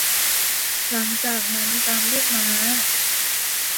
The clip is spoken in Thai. หลังจากนั้นตามด้วยม้า